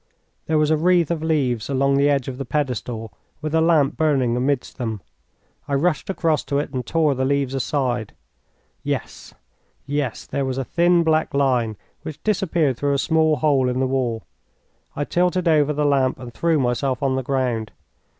There was a wreath of leaves along the edge of the pedestal, with a lamp burning amidst them. I rushed across to it and tore the leaves aside. Yes, yes, there was a thin black line, which disappeared through a small hole in the wall. I tilted over the lamp and threw myself on the ground.